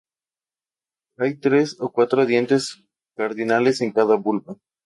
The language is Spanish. Hay tres o cuatro dientes cardinales en cada válvula.